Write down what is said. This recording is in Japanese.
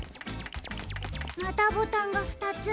またボタンがふたつ。